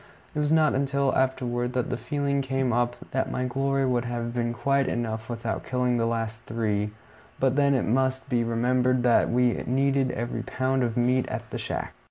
It was not until afterward that the feeling came up that my glory would have been quite enough without killing the last three; but then it must be remembered that we needed every pound of meat at the shack.